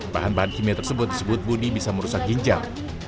bahan bahan kimia tersebut disebut budi bisa merusak ginjal